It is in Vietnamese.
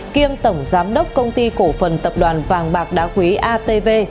kiêm tổng giám đốc công ty cổ phần tập đoàn vàng bạc đá quý atv